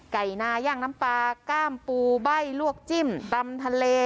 นาย่างน้ำปลาก้ามปูใบ้ลวกจิ้มตำทะเล